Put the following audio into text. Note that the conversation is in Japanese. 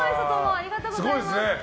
ありがとうございます。